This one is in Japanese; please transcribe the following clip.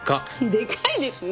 でかいですね。